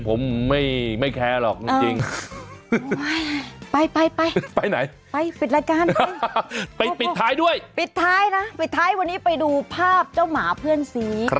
ปิดท้ายนะปิดท้ายวันนี้ไปดูภาพเจ้าหมาเพื่อนซี